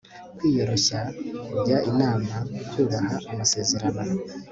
kwiyoroshya, kujya inama, kubaha amasezerano